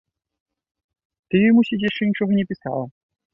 Ты ёй, мусіць, яшчэ нічога не пісала?